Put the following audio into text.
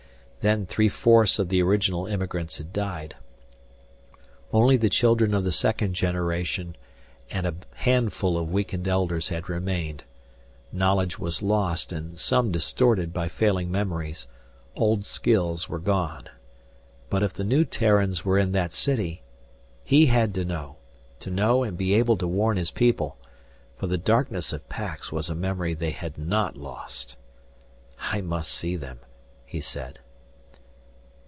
Then three fourths of the original immigrants had died. Only the children of the second generation and a handful of weakened Elders had remained. Knowledge was lost and some distorted by failing memories, old skills were gone. But if the new Terrans were in that city.... He had to know to know and be able to warn his people. For the darkness of Pax was a memory they had not lost! "I must see them," he said.